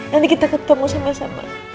nanti kita ketemu sama sama